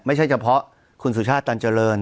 ไม่ใช่เฉพาะคุณสุชาติตันเจริญ